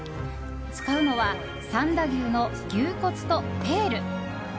使うのは、三田牛の牛骨とテール。